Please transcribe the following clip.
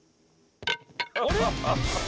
あれ？